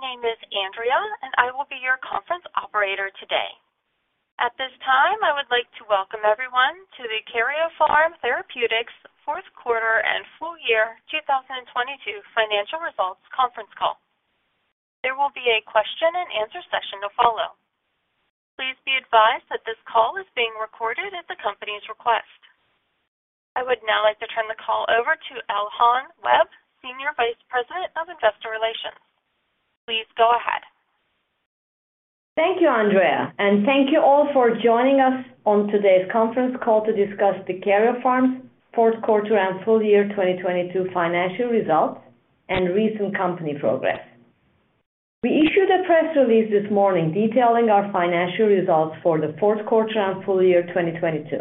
Good day. My name is Andrea, and I will be your conference operator today. At this time, I would like to welcome everyone to the Karyopharm Therapeutics fourth quarter and full year 2022 financial results conference call. There will be a question and answer session to follow. Please be advised that this call is being recorded at the company's request. I would now like to turn the call over to Elhan Webb, Senior Vice President of Investor Relations. Please go ahead. Thank you, Andrea, and thank you all for joining us on today's conference call to discuss the Karyopharm fourth quarter and full year 2022 financial results and recent company progress. We issued a press release this morning detailing our financial results for the fourth quarter and full year 2022.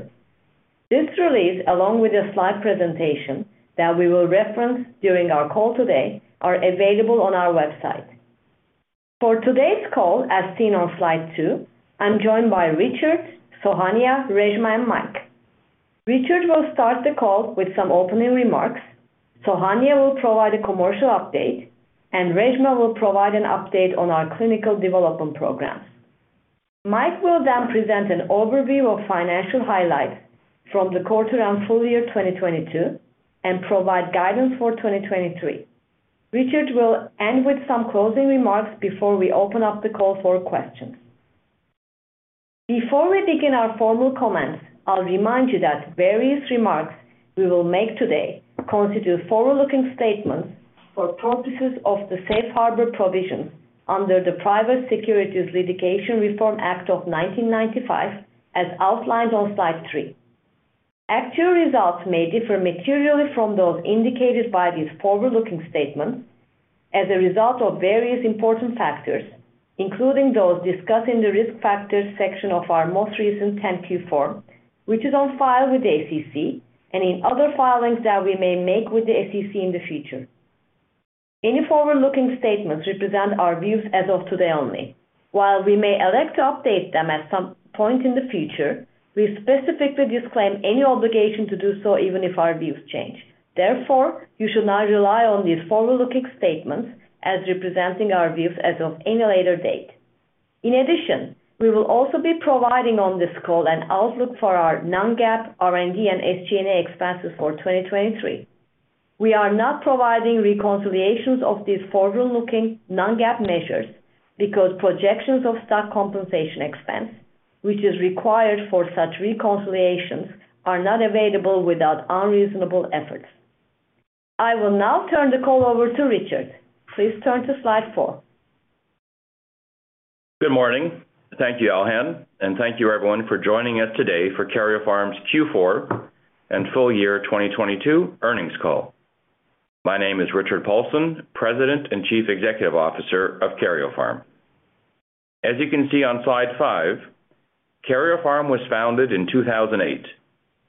This release, along with a slide presentation that we will reference during our call today, are available on our website. For today's call, as seen on slide two, I'm joined by Richard, Sohanya, Reshma, and Mike. Richard will start the call with some opening remarks. Sohanya will provide a commercial update, and Reshma will provide an update on our clinical development programs. Mike will then present an overview of financial highlights from the quarter and full year 2022 and provide guidance for 2023. Richard will end with some closing remarks before we open up the call for questions. Before we begin our formal comments, I'll remind you that various remarks we will make today constitute forward-looking statements for purposes of the safe harbor provision under the Private Securities Litigation Reform Act of 1995, as outlined on slide three. Actual results may differ materially from those indicated by these forward-looking statements as a result of various important factors, including those discussed in the Risk Factors section of our most recent 10-Q form, which is on file with the SEC, and in other filings that we may make with the SEC in the future. Any forward-looking statements represent our views as of today only. While we may elect to update them at some point in the future, we specifically disclaim any obligation to do so even if our views change. Therefore, you should not rely on these forward-looking statements as representing our views as of any later date. In addition, we will also be providing on this call an outlook for our non-GAAP, R&D, and SG&A expenses for 2023. We are not providing reconciliations of these forward-looking non-GAAP measures because projections of stock compensation expense, which is required for such reconciliations, are not available without unreasonable efforts. I will now turn the call over to Richard. Please turn to slide four. Good morning. Thank you, Elhan, and thank you everyone for joining us today for Karyopharm's Q4 and full year 2022 earnings call. My name is Richard Paulson, President and Chief Executive Officer of Karyopharm. As you can see on slide five, Karyopharm was founded in 2008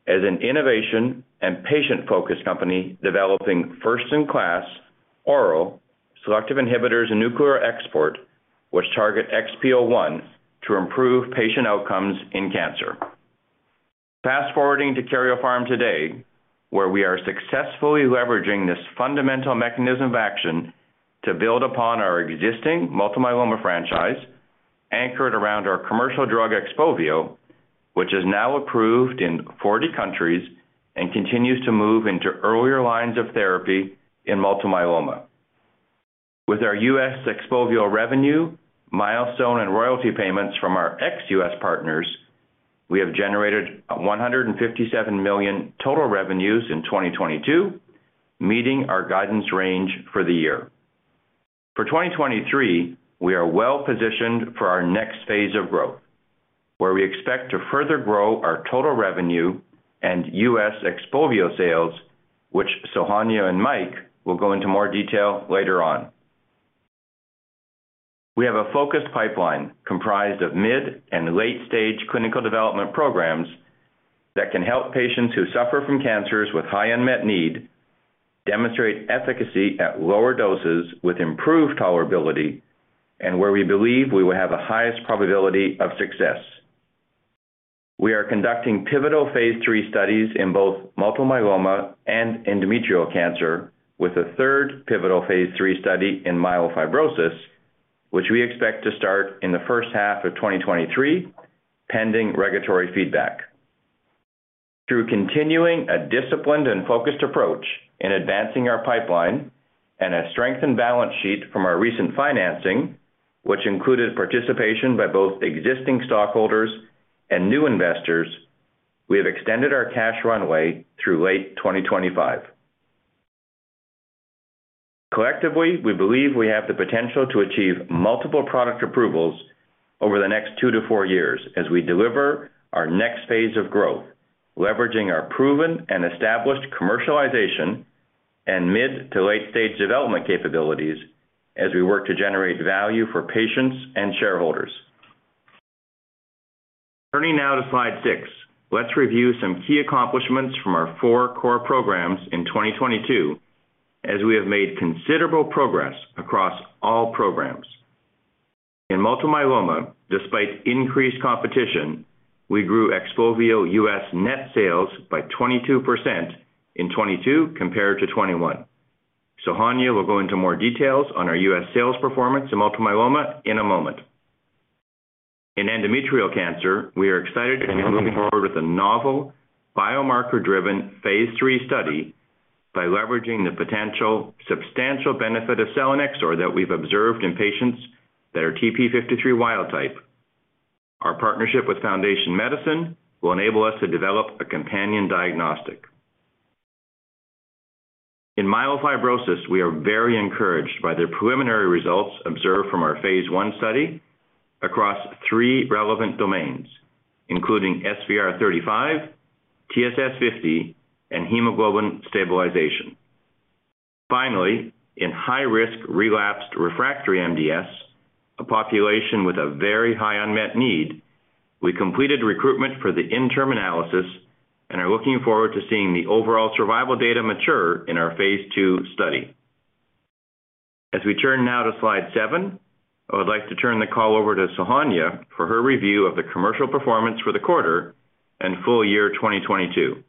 as an innovation and patient-focused company developing first-in-class oral Selective Inhibitors of Nuclear Export, which target XPO1 to improve patient outcomes in cancer. Fast-forwarding to Karyopharm today, where we are successfully leveraging this fundamental mechanism of action to build upon our existing multiple myeloma franchise anchored around our commercial drug, XPOVIO, which is now approved in 40 countries and continues to move into earlier lines of therapy in multiple myeloma. With our U.S. XPOVIO revenue, milestone and royalty payments from our ex-U.S. partners, we have generated $157 million total revenues in 2022, meeting our guidance range for the year. For 2023, we are well-positioned for our next phase of growth, where we expect to further grow our total revenue and U.S. XPOVIO sales, which Sohanya and Mike will go into more detail later on. We have a focused pipeline comprised of mid- and late-stage clinical development programs that can help patients who suffer from cancers with high unmet need, demonstrate efficacy at lower doses with improved tolerability, and where we believe we will have the highest probability of success. We are conducting pivotal phase III studies in both multiple myeloma and endometrial cancer with a third pivotal phase III study in myelofibrosis, which we expect to start in the first half of 2023, pending regulatory feedback. Through continuing a disciplined and focused approach in advancing our pipeline and a strengthened balance sheet from our recent financing, which included participation by both existing stockholders and new investors, we have extended our cash runway through late 2025. Collectively, we believe we have the potential to achieve multiple product approvals over the next two to four years as we deliver our next phase of growth, leveraging our proven and established commercialization and mid to late-stage development capabilities as we work to generate value for patients and shareholders. Turning now to slide six. Let's review some key accomplishments from our four core programs in 2022, as we have made considerable progress across all programs. In multiple myeloma, despite increased competition, we grew XPOVIO U.S. net sales by 22% in 2022 compared to 2021. Sohanya will go into more details on our U.S. sales performance in multiple myeloma in a moment. In endometrial cancer, we are excited to be moving forward with a novel biomarker-driven phase III study by leveraging the potential substantial benefit of selinexor that we've observed in patients that are TP53 wild-type. Our partnership with Foundation Medicine will enable us to develop a companion diagnostic. In myelofibrosis, we are very encouraged by the preliminary results observed from our phase I study across III relevant domains, including SVR35, TSS50, and hemoglobin stabilization. Finally, in high-risk relapsed refractory MDS, a population with a very high unmet need, we completed recruitment for the interim analysis and are looking forward to seeing the overall survival data mature in our phase II study. As we turn now to slide seven, I would like to turn the call over to Sohanya for her review of the commercial performance for the quarter and full year 2022.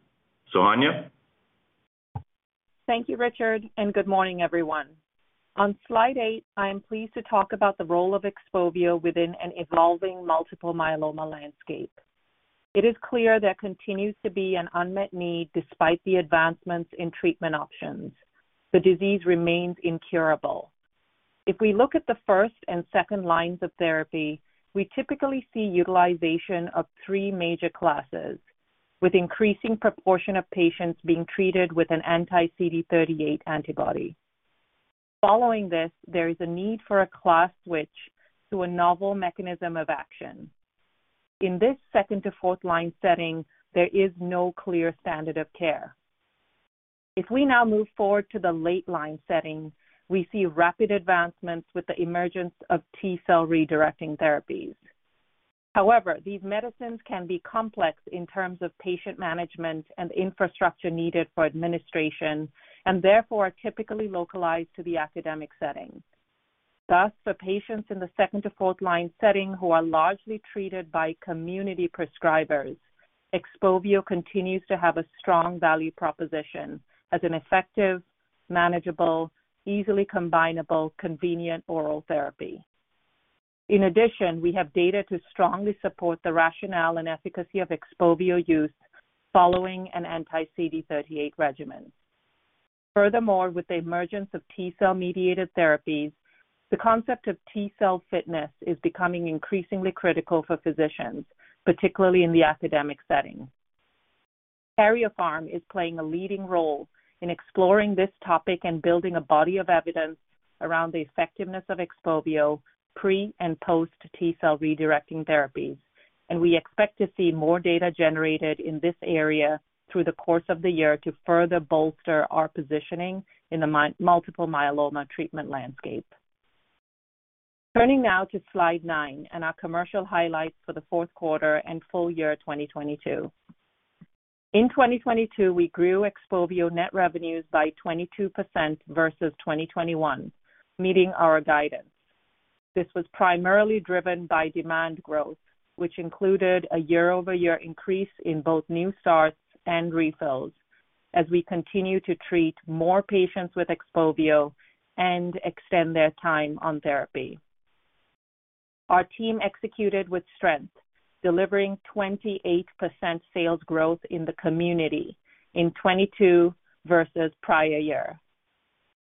Sohanya. Thank you, Richard, and good morning, everyone. On slide eight, I am pleased to talk about the role of XPOVIO within an evolving multiple myeloma landscape. It is clear there continues to be an unmet need despite the advancements in treatment options. The disease remains incurable. If we look at the first and second lines of therapy, we typically see utilization of three major classes, with increasing proportion of patients being treated with an anti-CD38 antibody. Following this, there is a need for a class switch to a novel mechanism of action. In this second to fourth line setting, there is no clear standard of care. If we now move forward to the late line setting, we see rapid advancements with the emergence of T-cell redirecting therapies. However, these medicines can be complex in terms of patient management and infrastructure needed for administration and therefore are typically localized to the academic setting. Thus, for patients in the second to fourth line setting who are largely treated by community prescribers, XPOVIO continues to have a strong value proposition as an effective, manageable, easily combinable, convenient oral therapy. In addition, we have data to strongly support the rationale and efficacy of XPOVIO use following an anti-CD38 regimen. Furthermore, with the emergence of T-cell-mediated therapies, the concept of T-cell fitness is becoming increasingly critical for physicians, particularly in the academic setting. Karyopharm is playing a leading role in exploring this topic and building a body of evidence around the effectiveness of XPOVIO pre and post T-cell redirecting therapies. We expect to see more data generated in this area through the course of the year to further bolster our positioning in the multiple myeloma treatment landscape. Turning now to slide 9 and our commercial highlights for the fourth quarter and full year 2022. In 2022, we grew XPOVIO net revenues by 22% versus 2021, meeting our guidance. This was primarily driven by demand growth, which included a year-over-year increase in both new starts and refills as we continue to treat more patients with XPOVIO and extend their time on therapy. Our team executed with strength, delivering 28% sales growth in the community in 2022 versus prior year.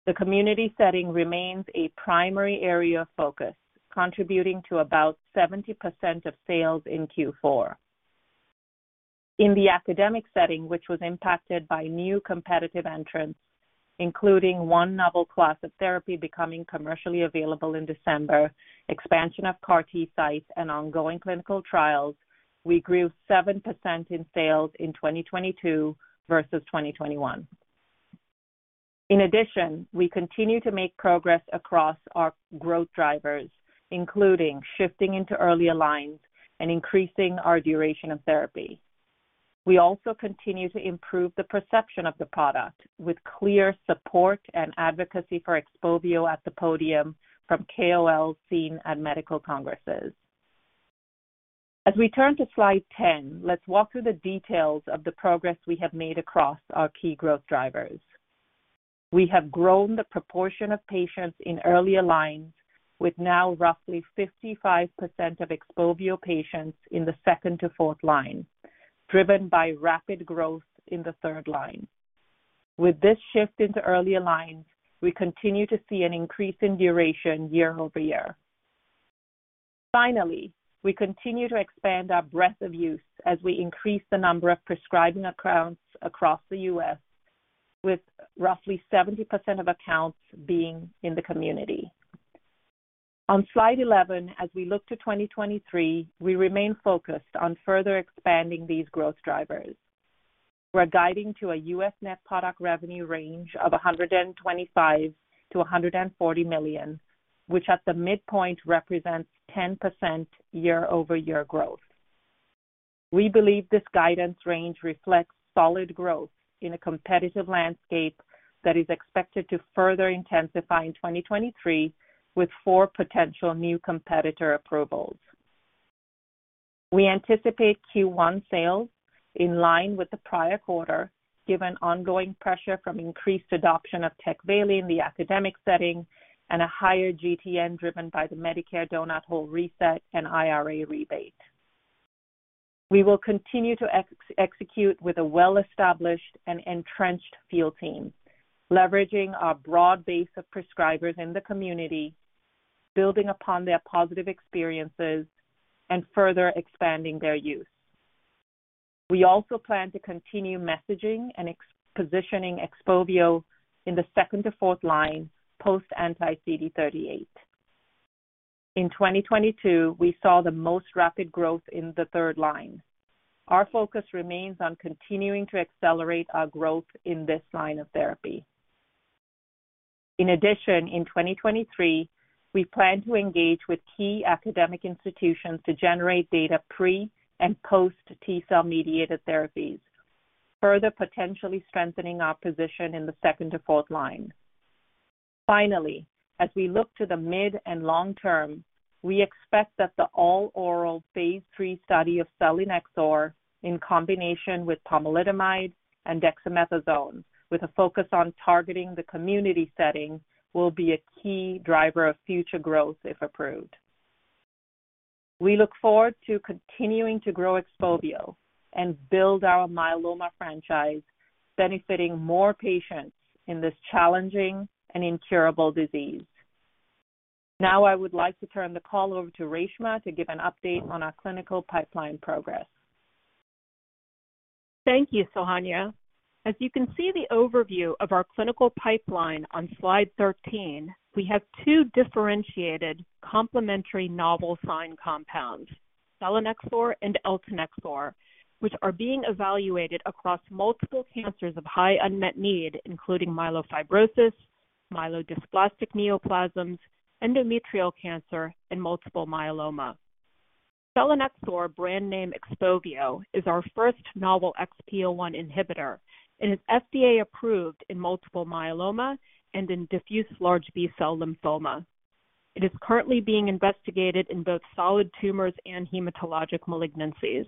The community setting remains a primary area of focus, contributing to about 70% of sales in Q4. In the academic setting, which was impacted by new competitive entrants, including one novel class of therapy becoming commercially available in December, expansion of CAR-T sites, and ongoing clinical trials, we grew 7% in sales in 2022 versus 2021. We continue to make progress across our growth drivers, including shifting into earlier lines and increasing our duration of therapy. We also continue to improve the perception of the product with clear support and advocacy for XPOVIO at the podium from KOL seen at medical congresses. As we turn to slide 10, let's walk through the details of the progress we have made across our key growth drivers. We have grown the proportion of patients in earlier lines with now roughly 55% of XPOVIO patients in the second to fourth line, driven by rapid growth in the third line. With this shift into earlier lines, we continue to see an increase in duration year-over-year. Finally, we continue to expand our breadth of use as we increase the number of prescribing accounts across the U.S., with roughly 70% of accounts being in the community. On slide 11, as we look to 2023, we remain focused on further expanding these growth drivers. We're guiding to a U.S. net product revenue range of $125 million-$140 million, which at the midpoint represents 10% year-over-year growth. We believe this guidance range reflects solid growth in a competitive landscape that is expected to further intensify in 2023 with four potential new competitor approvals. We anticipate Q1 sales in line with the prior quarter, given ongoing pressure from increased adoption of TECVAYLI in the academic setting and a higher GTN driven by the Medicare donut hole reset and IRA rebate. We will continue to execute with a well-established and entrenched field team, leveraging our broad base of prescribers in the community, building upon their positive experiences and further expanding their use. We also plan to continue messaging and positioning XPOVIO in the second to fourth line post anti-CD38. In 2022, we saw the most rapid growth in the third line. Our focus remains on continuing to accelerate our growth in this line of therapy. In addition, in 2023, we plan to engage with key academic institutions to generate data pre and post T-cell-mediated therapies, further potentially strengthening our position in the second to fourth line. Finally, as we look to the mid and long term, we expect that the all-oral phase III study of selinexor in combination with pomalidomide and dexamethasone, with a focus on targeting the community setting, will be a key driver of future growth if approved. We look forward to continuing to grow XPOVIO and build our myeloma franchise, benefiting more patients in this challenging and incurable disease. Now, I would like to turn the call over to Reshma to give an update on our clinical pipeline progress. Thank you, Sohanya. As you can see the overview of our clinical pipeline on slide 13, we have two differentiated complementary novel SINE compounds, selinexor and eltanexor, which are being evaluated across multiple cancers of high unmet need, including myelofibrosis, myelodysplastic neoplasms, endometrial cancer, and multiple myeloma. Selinexor, brand name XPOVIO, is our first novel XPO1 inhibitor and is FDA approved in multiple myeloma and in diffuse large B-cell lymphoma. It is currently being investigated in both solid tumors and hematologic malignancies.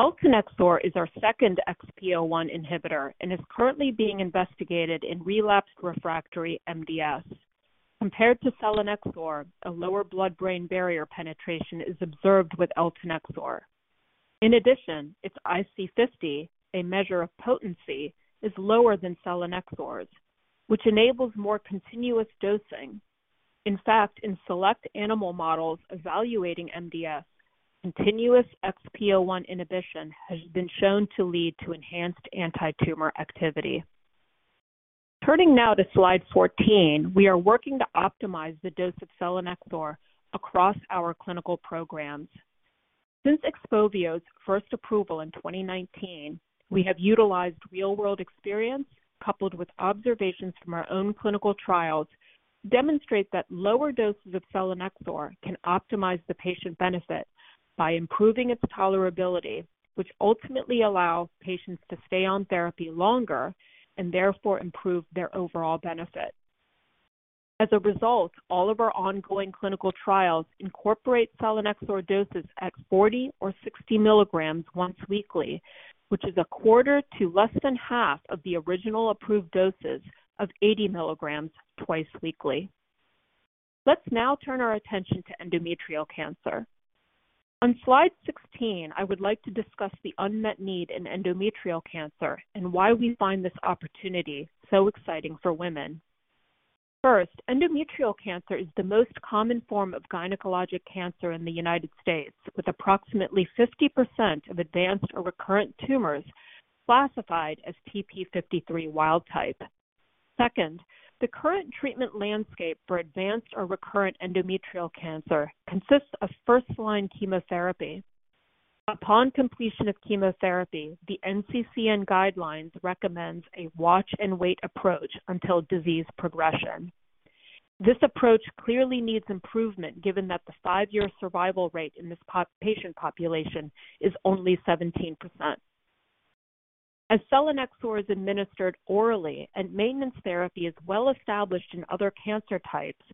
Eltanexor is our second XPO1 inhibitor and is currently being investigated in relapsed refractory MDS. Compared to selinexor, a lower blood-brain barrier penetration is observed with eltanexor. In addition, its IC50, a measure of potency, is lower than selinexor's, which enables more continuous dosing. In fact, in select animal models evaluating MDS, continuous XPO1 inhibition has been shown to lead to enhanced antitumor activity. Turning now to slide 14, we are working to optimize the dose of selinexor across our clinical programs. Since XPOVIO's first approval in 2019, we have utilized real-world experience coupled with observations from our own clinical trials to demonstrate that lower doses of selinexor can optimize the patient benefit by improving its tolerability, which ultimately allows patients to stay on therapy longer and therefore improve their overall benefit. All of our ongoing clinical trials incorporate selinexor doses at 40 or 60 milligrams once weekly, which is a quarter to less than half of the original approved doses of 80 milligrams twice weekly. Let's now turn our attention to endometrial cancer. On slide 16, I would like to discuss the unmet need in endometrial cancer and why we find this opportunity so exciting for women. First, endometrial cancer is the most common form of gynecologic cancer in the United States, with approximately 50% of advanced or recurrent tumors classified as TP53 wild-type. Second, the current treatment landscape for advanced or recurrent endometrial cancer consists of first-line chemotherapy. Upon completion of chemotherapy, the NCCN guidelines recommends a watch-and-wait approach until disease progression. This approach clearly needs improvement, given that the five-year survival rate in this patient population is only 17%. As selinexor is administered orally and maintenance therapy is well established in other cancer types,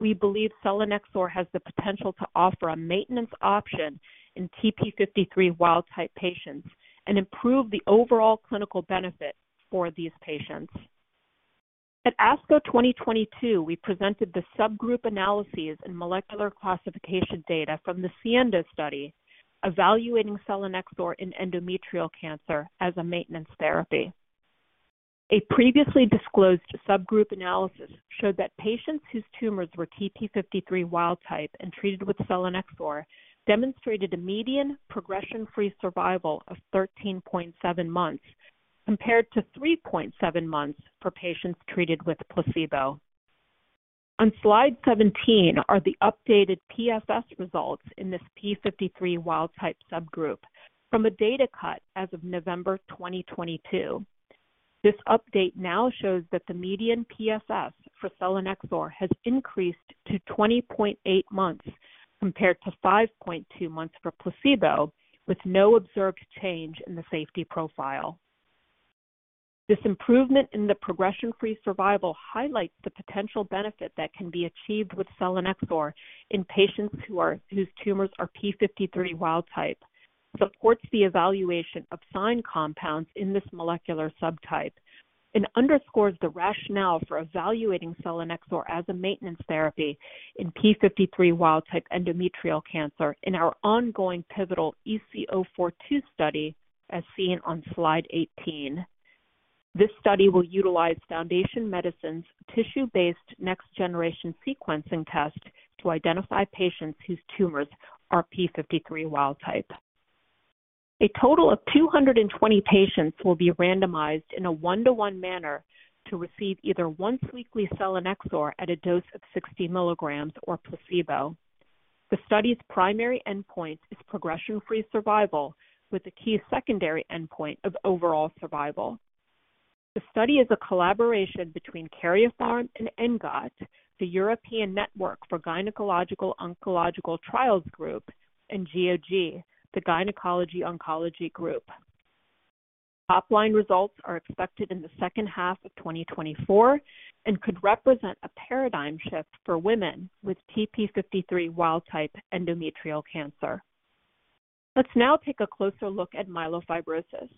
we believe selinexor has the potential to offer a maintenance option in TP53 wild-type patients and improve the overall clinical benefit for these patients. At ASCO 2022, we presented the subgroup analyses and molecular classification data from the SIENDO Study evaluating selinexor in endometrial cancer as a maintenance therapy. A previously disclosed subgroup analysis showed that patients whose tumors were TP53 wild-type and treated with selinexor demonstrated a median progression-free survival of 13.7 months, compared to 3.7 months for patients treated with placebo. On slide 17 are the updated PFS results in this TP53 wild-type subgroup from a data cut as of November 2022. This update now shows that the median PFS for selinexor has increased to 20.8 months compared to 5.2 months for placebo, with no observed change in the safety profile. This improvement in the progression-free survival highlights the potential benefit that can be achieved with selinexor in patients whose tumors are TP53 wild-type, supports the evaluation of SINE compounds in this molecular subtype, and underscores the rationale for evaluating selinexor as a maintenance therapy in TP53 wild-type endometrial cancer in our ongoing pivotal EC042 study, as seen on slide 18. This study will utilize Foundation Medicine's tissue-based next-generation sequencing test to identify patients whose tumors are TP53 wild-type. A total of 220 patients will be randomized in a 1-to-1 manner to receive either once-weekly selinexor at a dose of 60 milligrams or placebo. The study's primary endpoint is progression-free survival, with a key secondary endpoint of overall survival. The study is a collaboration between Karyopharm and ENGOT, the European Network for Gynaecological Oncological Trials Groups, and GOG, the Gynecologic Oncology Group. Top-line results are expected in the second half of 2024 and could represent a paradigm shift for women with TP53 wild-type endometrial cancer. Let's now take a closer look at myelofibrosis.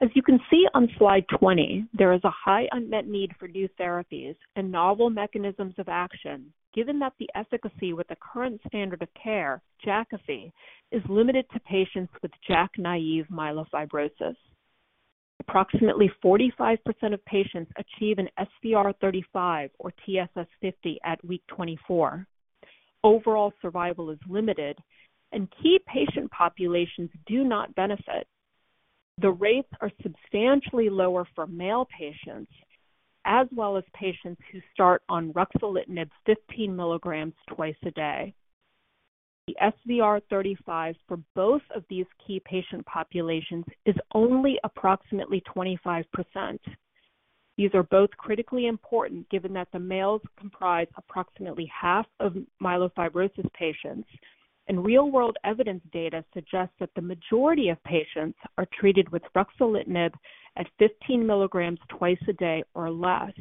As you can see on slide 20, there is a high unmet need for new therapies and novel mechanisms of action, given that the efficacy with the current standard of care, Jakafi, is limited to patients with JAK naive myelofibrosis. Approximately 45% of patients achieve an SVR35 or TSS50 at week 24. Overall survival is limited, and key patient populations do not benefit. The rates are substantially lower for male patients as well as patients who start on ruxolitinib 15 mg twice a day. The SVR35 for both of these key patient populations is only approximately 25%. These are both critically important given that the males comprise approximately half of myelofibrosis patients, and real-world evidence data suggests that the majority of patients are treated with ruxolitinib at 15 milligrams twice a day or less,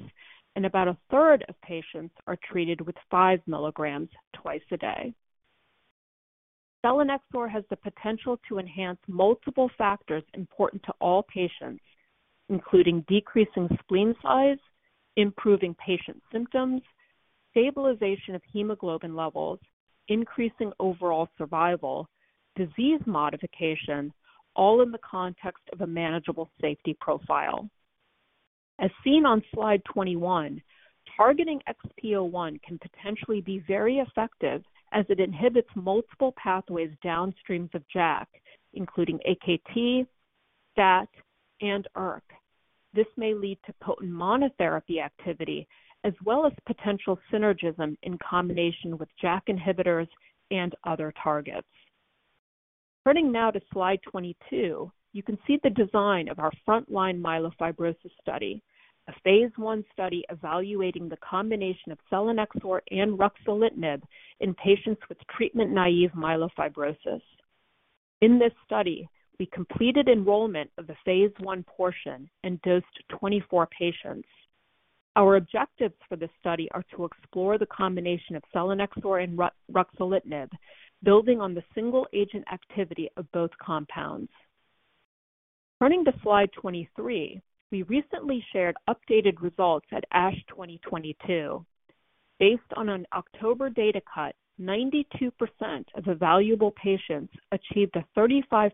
and about a third of patients are treated with 5 milligrams twice a day. Selinexor has the potential to enhance multiple factors important to all patients, including decreasing spleen size, improving patient symptoms, stabilization of hemoglobin levels, increasing overall survival, disease modification, all in the context of a manageable safety profile. As seen on slide 21, targeting XPO1 can potentially be very effective as it inhibits multiple pathways downstreams of JAK, including AKT, STAT, and ERK. This may lead to potent monotherapy activity as well as potential synergism in combination with JAK inhibitors and other targets. Turning now to slide 22, you can see the design of our frontline myelofibrosis study, a phase I study evaluating the combination of selinexor and ruxolitinib in patients with treatment-naive myelofibrosis. In this study, we completed enrollment of the phase I portion and dosed 24 patients. Our objectives for this study are to explore the combination of selinexor and ruxolitinib, building on the single-agent activity of both compounds. Turning to slide 23, we recently shared updated results at ASH 2022. Based on an October data cut, 92% of evaluable patients achieved a 35%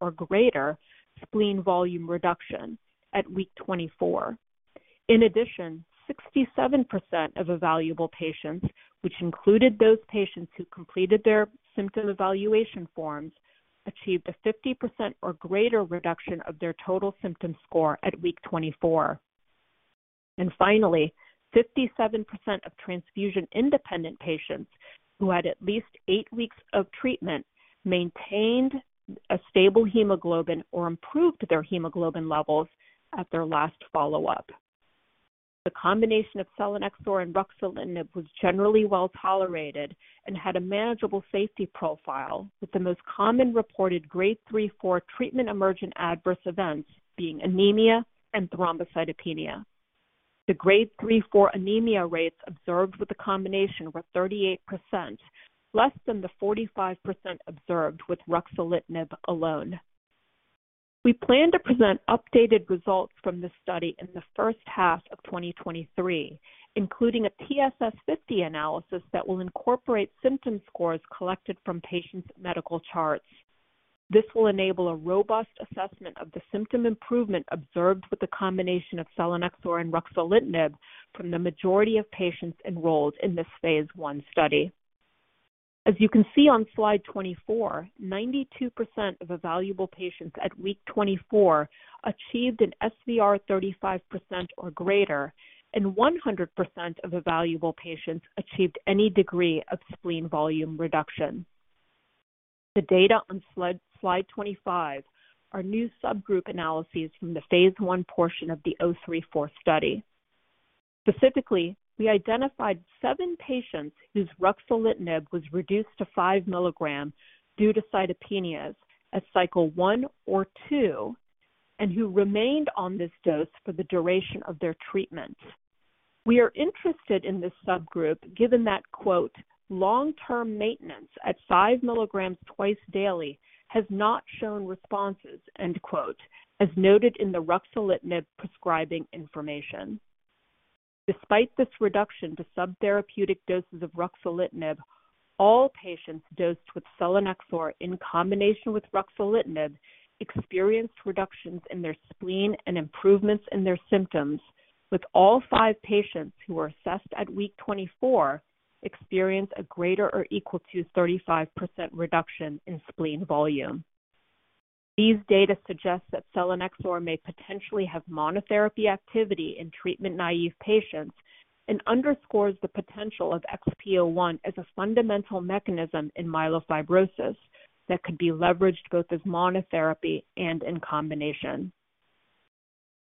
or greater spleen volume reduction at week 24. In addition, 67% of evaluable patients, which included those patients who completed their symptom evaluation forms, achieved a 50% or greater reduction of their total symptom score at week 24. Finally, 57% of transfusion-independent patients who had at least eight weeks of treatment maintained a stable hemoglobin or improved their hemoglobin levels at their last follow-up. The combination of selinexor and ruxolitinib was generally well-tolerated and had a manageable safety profile, with the most common reported grade 3/4 treatment-emergent adverse events being anemia and thrombocytopenia. The grade 3/4 anemia rates observed with the combination were 38%, less than the 45% observed with ruxolitinib alone. We plan to present updated results from this study in the first half of 2023, including a TSS50 analysis that will incorporate symptom scores collected from patients' medical charts. This will enable a robust assessment of the symptom improvement observed with the combination of selinexor and ruxolitinib from the majority of patients enrolled in this phase I study. As you can see on slide 24, 92% of evaluable patients at week 24 achieved an SVR 35% or greater. The data on slide 25 are new subgroup analyses from the phase I portion of the O34 study. Specifically, we identified seven patients whose ruxolitinib was reduced to 5 milligrams due to cytopenias at cycle one or two and who remained on this dose for the duration of their treatment. We are interested in this subgroup, given that, quote, "Long-term maintenance at 5 milligrams twice daily has not shown responses," end quote, as noted in the ruxolitinib prescribing information. Despite this reduction to subtherapeutic doses of ruxolitinib, all patients dosed with selinexor in combination with ruxolitinib experienced reductions in their spleen and improvements in their symptoms, with all five patients who were assessed at week 24 experience a greater or equal to 35% reduction in spleen volume. These data suggests that selinexor may potentially have monotherapy activity in treatment-naive patients and underscores the potential of XPO1 as a fundamental mechanism in myelofibrosis that could be leveraged both as monotherapy and in combination.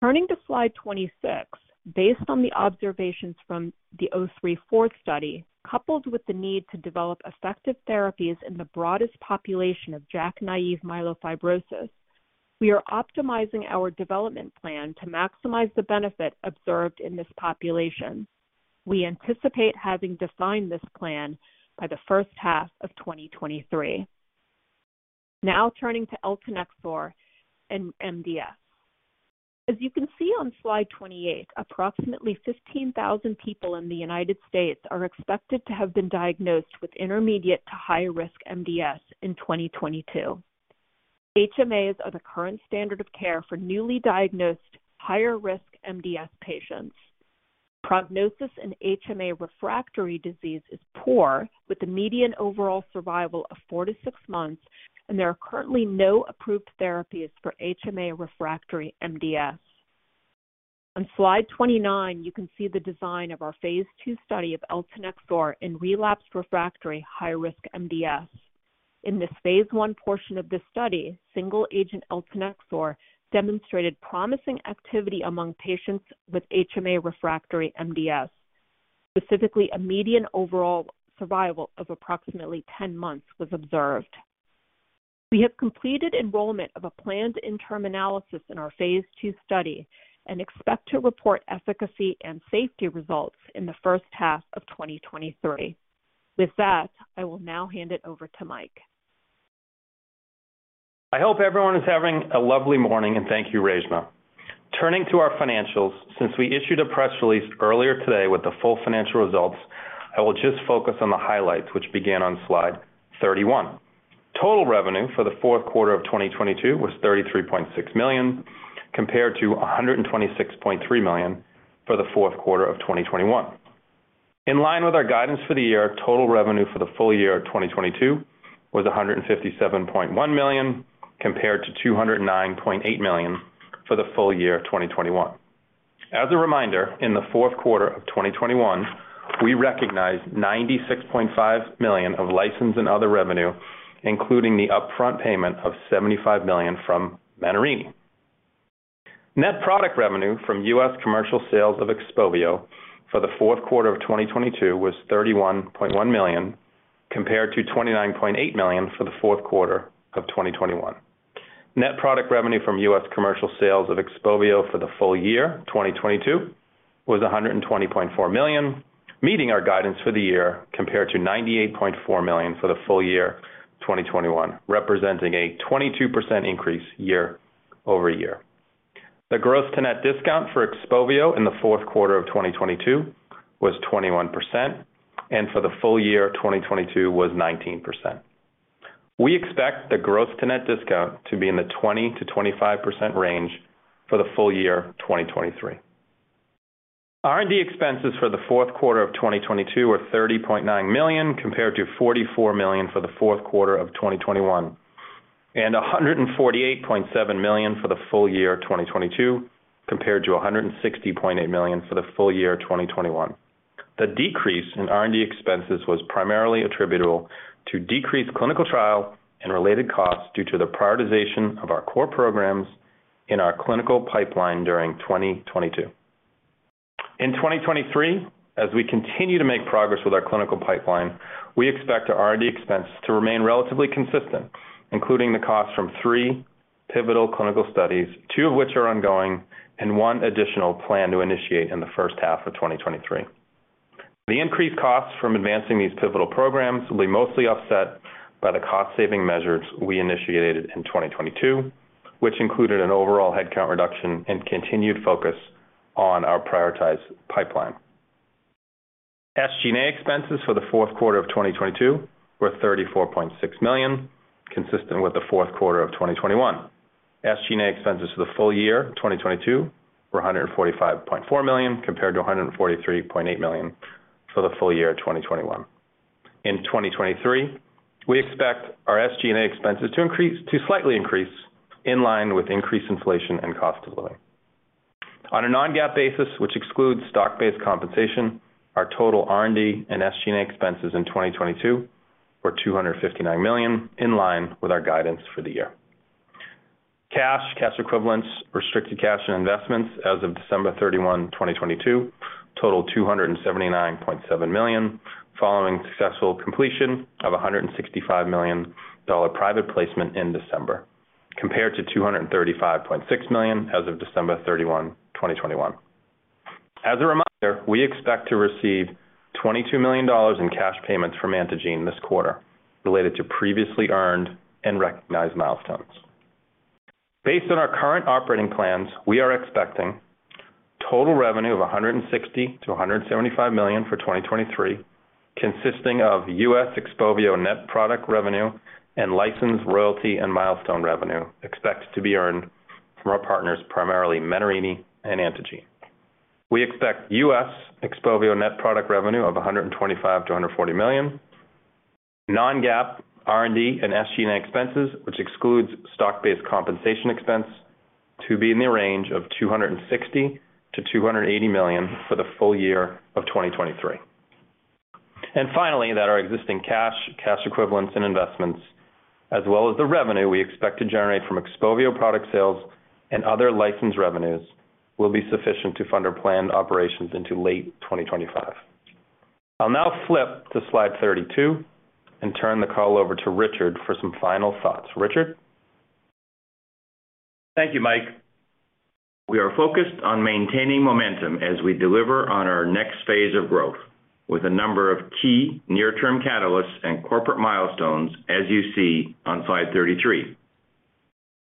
Turning to slide 26, based on the observations from the 034 study, coupled with the need to develop effective therapies in the broadest population of JAK-naive myelofibrosis, we are optimizing our development plan to maximize the benefit observed in this population. We anticipate having defined this plan by the first half of 2023. Turning to eltanexor in MDS. As you can see on slide 28, approximately 15,000 people in the United States are expected to have been diagnosed with intermediate to high risk MDS in 2022. HMAs are the current standard of care for newly diagnosed higher risk MDS patients. Prognosis in HMA-refractory disease is poor, with a median overall survival of four to six months, and there are currently no approved therapies for HMA-refractory MDS. On slide 29, you can see the design of our phase II study of eltanexor in relapsed/refractory high risk MDS. In this phase I portion of this study, single agent eltanexor demonstrated promising activity among patients with HMA-refractory MDS. Specifically, a median overall survival of approximately 10 months was observed. We have completed enrollment of a planned interim analysis in our phase II study and expect to report efficacy and safety results in the first half of 2023. With that, I will now hand it over to Mike. I hope everyone is having a lovely morning, and thank you, Reshma. Turning to our financials. Since we issued a press release earlier today with the full financial results, I will just focus on the highlights, which begin on slide 31. Total revenue for the fourth quarter of 2022 was $33.6 million, compared to $126.3 million for the fourth quarter of 2021. In line with our guidance for the year, total revenue for the full year of 2022 was $157.1 million, compared to $209.8 million for the full year of 2021. As a reminder, in the fourth quarter of 2021, we recognized $96.5 million of license and other revenue, including the upfront payment of $75 million from Menarini. Net product revenue from US commercial sales of XPOVIO for the fourth quarter of 2022 was $31.1 million, compared to $29.8 million for the fourth quarter of 2021. Net product revenue from US commercial sales of XPOVIO for the full year 2022 was $120.4 million, meeting our guidance for the year, compared to $98.4 million for the full year 2021, representing a 22% increase year-over-year. The gross to net discount for XPOVIO in the fourth quarter of 2022 was 21% and for the full year of 2022 was 19%. We expect the gross to net discount to be in the 20%-25% range for the full year of 2023. R&D expenses for the fourth quarter of 2022 were $30.9 million, compared to $44 million for the fourth quarter of 2021, and $148.7 million for the full year of 2022, compared to $160.8 million for the full year of 2021. The decrease in R&D expenses was primarily attributable to decreased clinical trial and related costs due to the prioritization of our core programs in our clinical pipeline during 2022. In 2023, as we continue to make progress with our clinical pipeline, we expect our R&D expense to remain relatively consistent, including the cost from three pivotal clinical studies, two of which are ongoing and one additional plan to initiate in the first half of 2023. The increased costs from advancing these pivotal programs will be mostly offset by the cost saving measures we initiated in 2022, which included an overall headcount reduction and continued focus on our prioritized pipeline. SG&A expenses for the fourth quarter of 2022 were $34.6 million, consistent with the fourth quarter of 2021. SG&A expenses for the full year of 2022 were $145.4 million, compared to $143.8 million for the full year of 2021. In 2023, we expect our SG&A expenses to slightly increase in line with increased inflation and cost of living. On a non-GAAP basis, which excludes stock-based compensation, our total R&D and SG&A expenses in 2022 were $259 million, in line with our guidance for the year. Cash, cash equivalents, restricted cash and investments as of December 31, 2022 totaled $279.7 million, following successful completion of a $165 million private placement in December, compared to $235.6 million as of December 31, 2021. As a reminder, we expect to receive $22 million in cash payments from Antengene this quarter related to previously earned and recognized milestones. Based on our current operating plans, we are expecting total revenue of $160 million-$175 million for 2023, consisting of U.S. XPOVIO net product revenue and license, royalty, and milestone revenue expects to be earned from our partners, primarily Menarini and Antengene. We expect U.S. XPOVIO net product revenue of $125 million-$140 million. Non-GAAP R&D and SG&A expenses, which excludes stock-based compensation expense, to be in the range of $260 million-$280 million for the full year of 2023. Finally, that our existing cash equivalents, and investments, as well as the revenue we expect to generate from XPOVIO product sales and other licensed revenues, will be sufficient to fund our planned operations into late 2025. I'll now flip to slide 32 and turn the call over to Richard for some final thoughts. Richard? Thank you, Mike. We are focused on maintaining momentum as we deliver on our next phase of growth with a number of key near-term catalysts and corporate milestones, as you see on slide 33.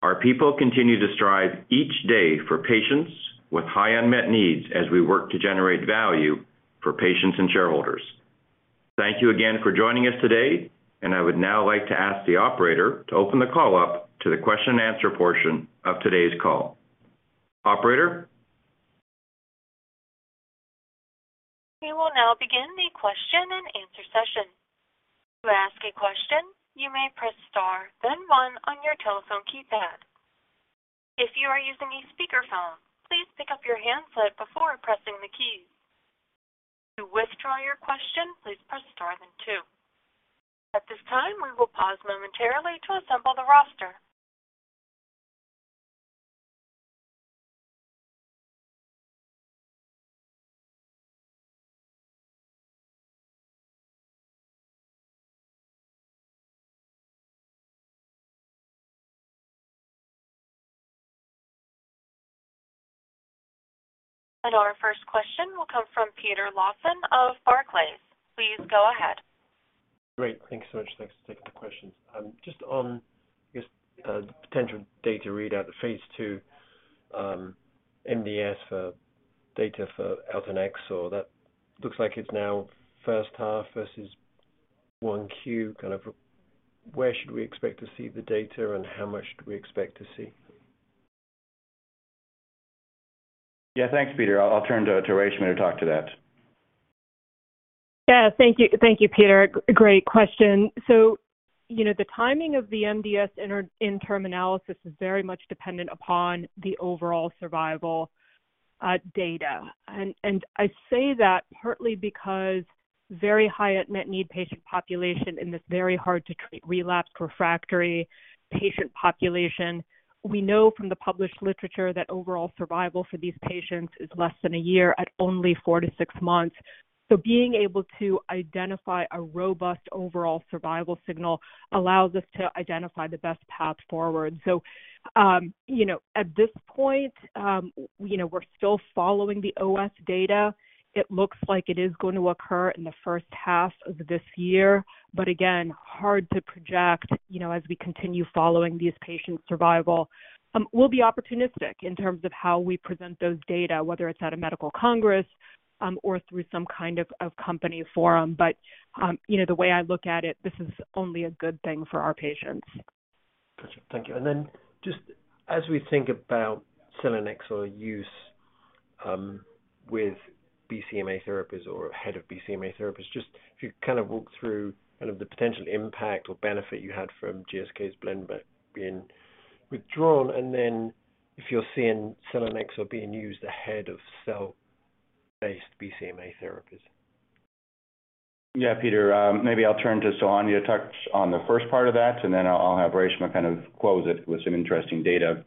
Our people continue to strive each day for patients with high unmet needs as we work to generate value for patients and shareholders. Thank you again for joining us today, I would now like to ask the operator to open the call up to the question and answer portion of today's call. Operator? We will now begin the question and answer session. To ask a question, you may press star then one on your telephone keypad. If you are using a speakerphone, please pick up your handset before pressing the key. To withdraw your question, please press star then two. At this time, we will pause momentarily to assemble the roster. Our first question will come from Peter Lawson of Barclays. Please go ahead. Great. Thanks so much. Thanks. Take the questions. Just on, I guess, the potential data readout, the phase II MDS for data for eltanexor, that looks like it's now first half versus 1Q. Kind of where should we expect to see the data and how much do we expect to see? Yeah. Thanks, Peter. I'll turn to Reshma to talk to that. Yeah. Thank you. Thank you, Peter. Great question. You know, the timing of the MDS interim analysis is very much dependent upon the overall survival data. I say that partly because very high unmet need patient population in this very hard-to-treat relapse refractory patient population. We know from the published literature that overall survival for these patients is less than a year at only four to six months. Being able to identify a robust overall survival signal allows us to identify the best path forward. You know, at this point, you know, we're still following the OS data. It looks like it is going to occur in the first half of this year, but again, hard to project, you know, as we continue following these patients' survival. We'll be opportunistic in terms of how we present those data, whether it's at a medical congress, or through some kind of company forum. You know, the way I look at it, this is only a good thing for our patients. Gotcha. Thank you. Just as we think about selinexor use, with BCMA therapies or ahead of BCMA therapies, just if you kind of walk through kind of the potential impact or benefit you had from GSK's Blenrep being withdrawn, and then if you're seeing selinexor being used ahead of cell-based BCMA therapies? Peter, maybe I'll turn to Sohanya to touch on the first part of that, and then I'll have Reshma kind of close it with some interesting data,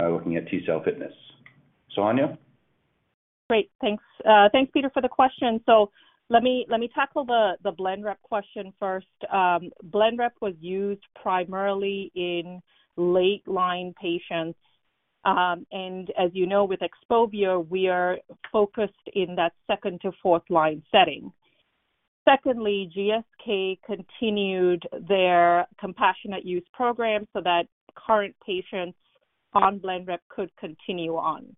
looking at T-cell fitness. Sohanya? Great. Thanks. Thanks, Peter, for the question. Let me tackle the Blenrep question first. Blenrep was used primarily in late line patients. As you know, with XPOVIO, we are focused in that second to fourth line setting. Secondly, GSK continued their compassionate use program so that current patients on Blenrep could continue on.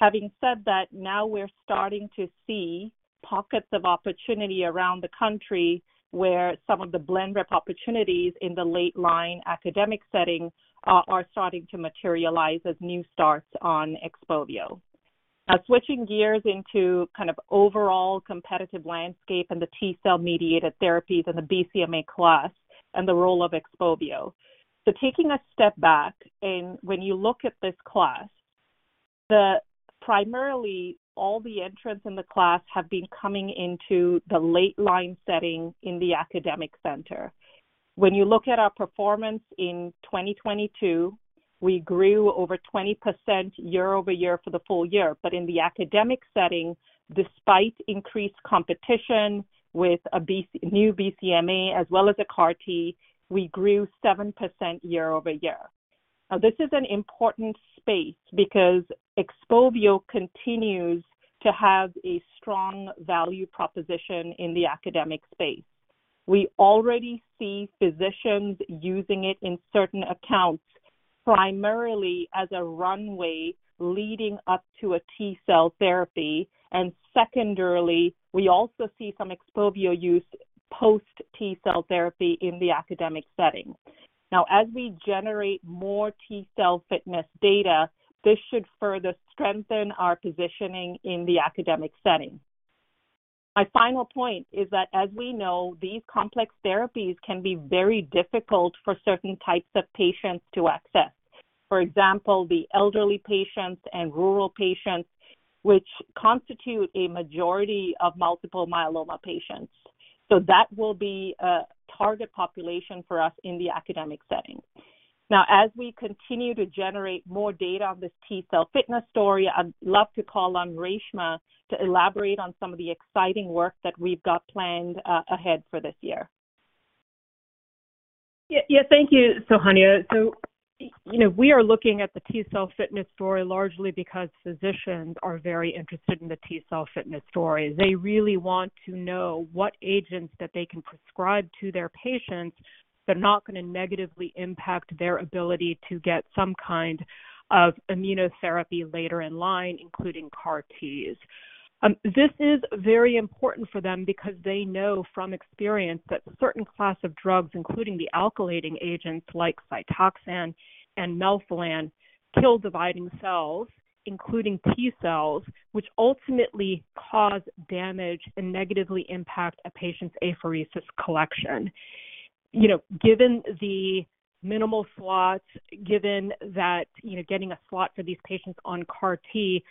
Having said that, now we're starting to see pockets of opportunity around the country where some of the Blenrep opportunities in the late line academic setting are starting to materialize as new starts on XPOVIO. Now switching gears into kind of overall competitive landscape and the T-cell mediated therapies and the BCMA class and the role of XPOVIO. Taking a step back, when you look at this class The primarily all the entrants in the class have been coming into the late line setting in the academic center. When you look at our performance in 2022, we grew over 20% year-over-year for the full year. In the academic setting, despite increased competition with new BCMA as well as a CAR-T, we grew 7% year-over-year. This is an important space because XPOVIO continues to have a strong value proposition in the academic space. We already see physicians using it in certain accounts, primarily as a runway leading up to a T-cell therapy. Secondarily, we also see some XPOVIO use post T-cell therapy in the academic setting. As we generate more T-cell fitness data, this should further strengthen our positioning in the academic setting. My final point is that, as we know, these complex therapies can be very difficult for certain types of patients to access. For example, the elderly patients and rural patients, which constitute a majority of multiple myeloma patients. That will be a target population for us in the academic setting. As we continue to generate more data on this T-cell fitness story, I'd love to call on Reshma to elaborate on some of the exciting work that we've got planned, ahead for this year. Yeah. Thank you, Sohanya. You know, we are looking at the T-cell fitness story largely because physicians are very interested in the T-cell fitness story. They really want to know what agents that they can prescribe to their patients that are not going to negatively impact their ability to get some kind of immunotherapy later in line, including CAR-Ts. This is very important for them because they know from experience that certain class of drugs, including the alkylating agents like Cytoxan and Melphalan, kill dividing cells, including T-cells, which ultimately cause damage and negatively impact a patient's apheresis collection. You know, given the minimal slots, given that, you know, getting a slot for these patients on CAR-T,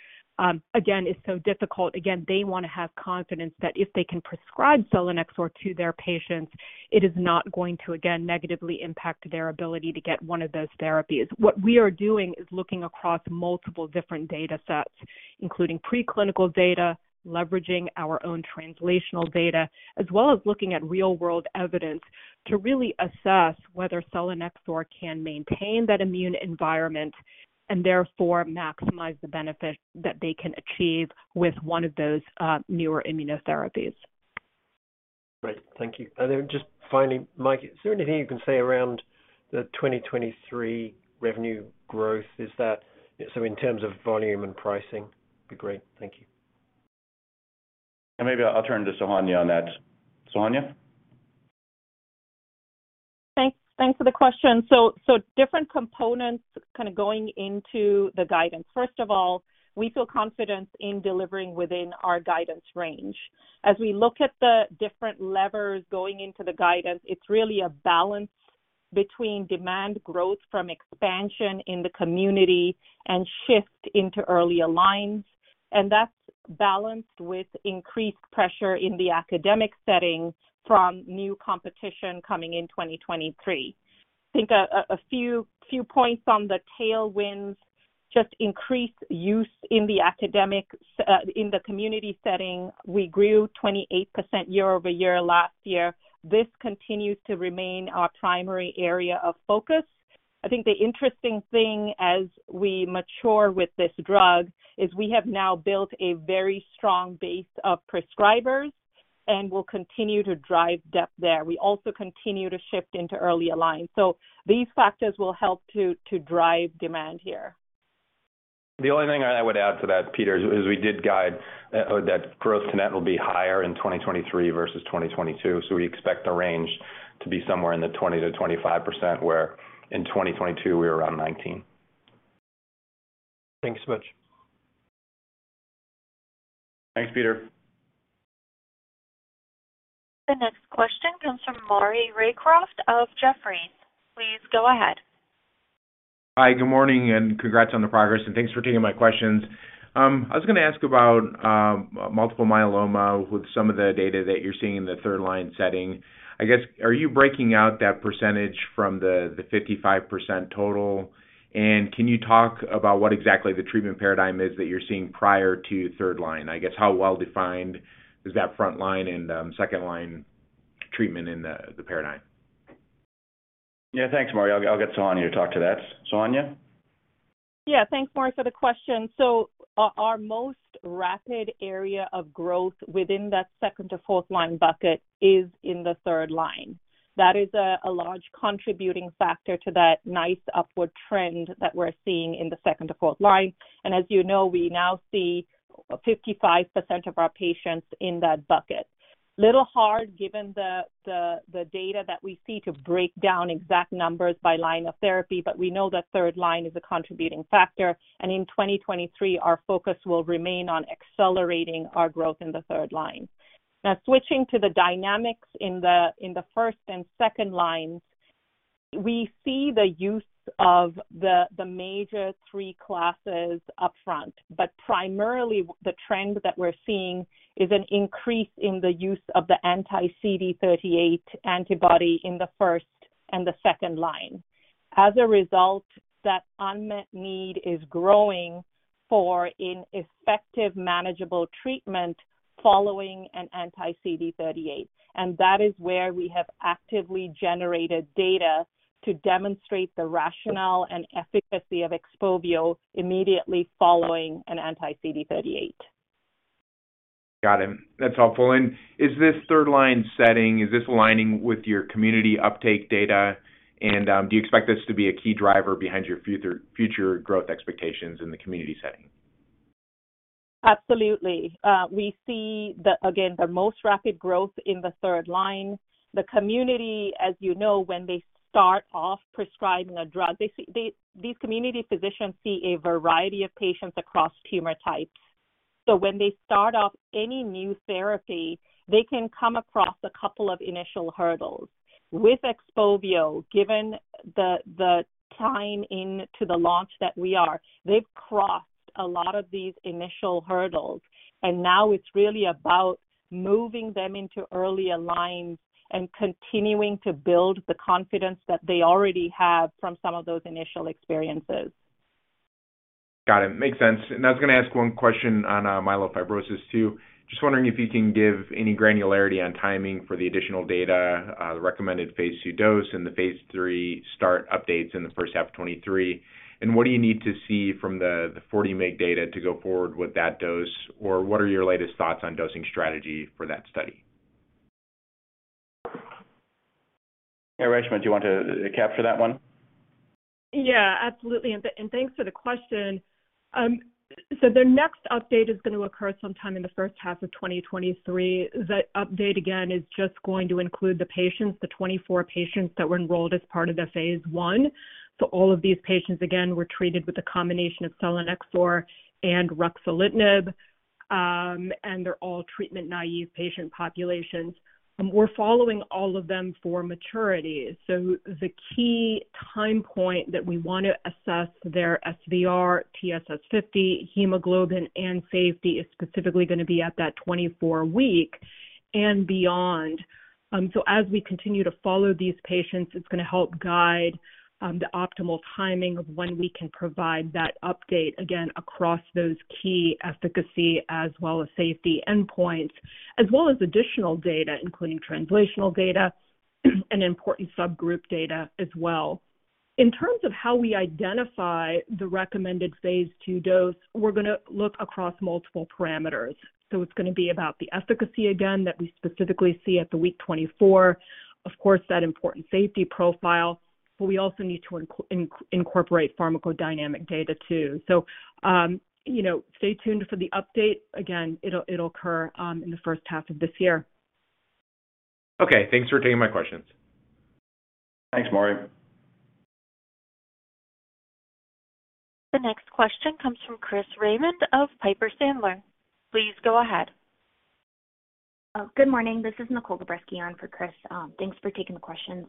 again, is so difficult. They want to have confidence that if they can prescribe selinexor to their patients, it is not going to again negatively impact their ability to get one of those therapies. What we are doing is looking across multiple different data sets, including preclinical data, leveraging our own translational data, as well as looking at real-world evidence to really assess whether selinexor can maintain that immune environment and therefore maximize the benefit that they can achieve with one of those newer immunotherapies. Great. Thank you. Just finally, Mike, is there anything you can say around the 2023 revenue growth? In terms of volume and pricing would be great. Thank you. Maybe I'll turn to Sohanya on that. Sohanya? Thanks for the question. Different components kind of going into the guidance. First of all, we feel confident in delivering within our guidance range. As we look at the different levers going into the guidance, it's really a balance between demand growth from expansion in the community and shift into earlier lines. That's balanced with increased pressure in the academic setting from new competition coming in 2023. I think a few points on the tailwinds, just increase use in the academic in the community setting. We grew 28% year-over-year last year. This continues to remain our primary area of focus. I think the interesting thing as we mature with this drug is we have now built a very strong base of prescribers and will continue to drive depth there. We also continue to shift into earlier lines. These factors will help to drive demand here. The only thing I would add to that, Peter, is we did guide that growth to net will be higher in 2023 versus 2022. We expect the range to be somewhere in the 20%-25%, where in 2022 we were around 19%. Thanks much. Thanks, Peter. The next question comes from Maury Raycroft of Jefferies. Please go ahead. Hi, good morning. Congrats on the progress. Thanks for taking my questions. I was going to ask about multiple myeloma with some of the data that you're seeing in the third line setting. I guess, are you breaking out that percentage from the 55% total? Can you talk about what exactly the treatment paradigm is that you're seeing prior to third line? I guess, how well-defined is that front line and second line treatment in the paradigm? Yeah. Thanks, Maury. I'll get Sohanya to talk to that. Sohanya? Yeah. Thanks, Maury, for the question. Our most rapid area of growth within that second to fourth line bucket is in the third line. That is a large contributing factor to that nice upward trend that we're seeing in the second to fourth line. As you know, we now see 55% of our patients in that bucket. Little hard given the data that we see to break down exact numbers by line of therapy, but we know that third line is a contributing factor. In 2023, our focus will remain on accelerating our growth in the third line. Switching to the dynamics in the first and second lines We see the use of the major three classes upfront, but primarily the trend that we're seeing is an increase in the use of the anti-CD38 antibody in the first and the second line. As a result, that unmet need is growing for an effective manageable treatment following an anti-CD38. That is where we have actively generated data to demonstrate the rationale and efficacy of XPOVIO immediately following an anti-CD38. Got it. That's helpful. Is this third line setting, is this aligning with your community uptake data? Do you expect this to be a key driver behind your future growth expectations in the community setting? Absolutely. We see the, again, the most rapid growth in the third line. The community, as you know, when they start off prescribing a drug, these community physicians see a variety of patients across tumor types. When they start off any new therapy, they can come across a couple of initial hurdles. With XPOVIO, given the time into the launch that we are, they've crossed a lot of these initial hurdles, and now it's really about moving them into earlier lines and continuing to build the confidence that they already have from some of those initial experiences. Got it. Makes sense. I was gonna ask one question on myelofibrosis too. Just wondering if you can give any granularity on timing for the additional data, the recommended phase II dose and the phase III start updates in the first half 2023. What do you need to see from the 40 mg data to go forward with that dose? Or what are your latest thoughts on dosing strategy for that study? Yeah, Reshma, do you want to capture that one? Yeah, absolutely. Thanks for the question. The next update is gonna occur sometime in the first half of 2023. The update again is just going to include the patients, the 24 patients that were enrolled as part of the phase I. All of these patients, again, were treated with a combination of selinexor and ruxolitinib, and they're all treatment naive patient populations. We're following all of them for maturity. The key time point that we wanna assess their SVR, TSS50, hemoglobin and safety is specifically gonna be at that 24-week and beyond. As we continue to follow these patients, it's gonna help guide the optimal timing of when we can provide that update again across those key efficacy as well as safety endpoints, as well as additional data, including translational data and important subgroup data as well. In terms of how we identify the recommended phase II dose, we're gonna look across multiple parameters. It's gonna be about the efficacy again that we specifically see at the week 24, of course, that important safety profile. We also need to incorporate pharmacodynamic data too. You know, stay tuned for the update. Again, it'll occur in the first half of this year. Okay. Thanks for taking my questions. Thanks, Maury. The next question comes from Chris Raymond of Piper Sandler. Please go ahead. Good morning. This is Nicole Gabreski on for Chris. Thanks for taking the questions.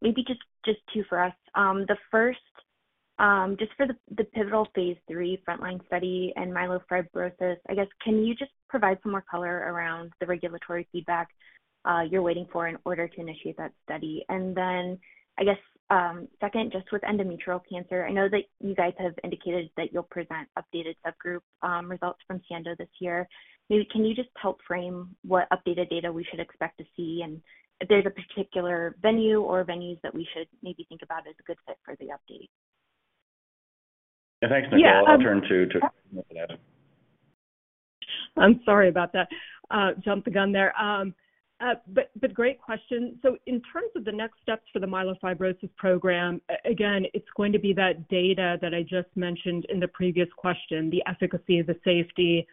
Maybe just two for us. The first, just for the pivotal phase III frontline study in myelofibrosis, I guess can you just provide some more color around the regulatory feedback you're waiting for in order to initiate that study? I guess, second, just with endometrial cancer, I know that you guys have indicated that you'll present updated subgroup results from SIENDO this year. Maybe can you just help frame what updated data we should expect to see and if there's a particular venue or venues that we should maybe think about as a good fit for the update? Yeah. Thanks, Nicole. Yeah. I'll turn to Reshma for that. I'm sorry about that. jumped the gun there. great question. In terms of the next steps for the myelofibrosis program, again, it's gonna be that data that I just mentioned in the previous question, the efficacy, the safety,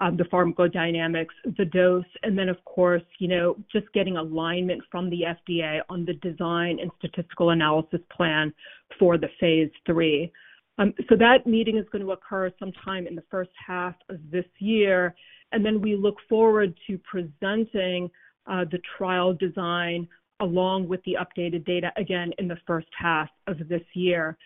the pharmacodynamics, the dose, and then of course, you know, just getting alignment from the FDA on the design and statistical analysis plan for the phase III. That meeting is gonna occur sometime in the first half of this year, and then we look forward to presenting the trial design along with the updated data again in the first half of this year.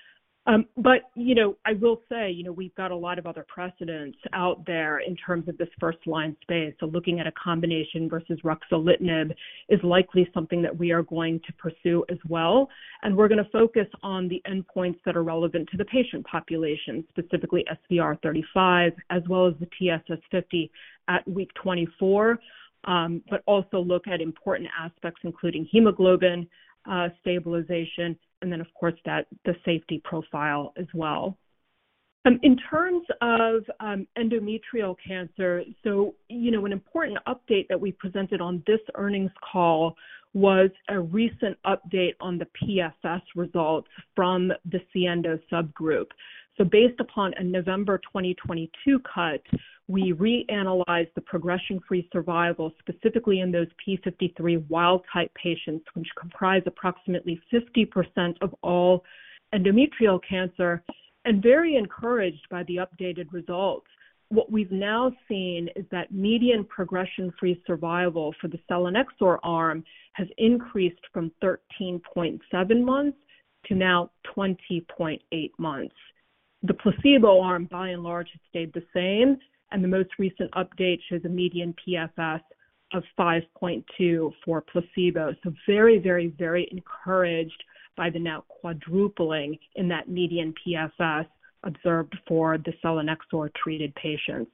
You know, I will say, you know, we've got a lot of other precedents out there in terms of this first line space. Looking at a combination versus ruxolitinib is likely something that we are going to pursue as well. We're gonna focus on the endpoints that are relevant to the patient population, specifically SVR35 as well as the TSS50 at week 24. But also look at important aspects including hemoglobin stabilization, and then of course the safety profile as well. In terms of endometrial cancer, you know, an important update that we presented on this earnings call was a recent update on the PFS results from the SIENDO subgroup. Based upon a November 2022 cut, we reanalyzed the progression-free survival, specifically in those TP53 wild-type patients, which comprise approximately 50% of all endometrial cancer, and very encouraged by the updated results. What we've now seen is that median progression-free survival for the selinexor arm has increased from 13.7 months to now 20.8 months. The placebo arm by and large has stayed the same, and the most recent update shows a median PFS of 5.2 for placebo. Very, very, very encouraged by the now quadrupling in that median PFS observed for the selinexor-treated patients.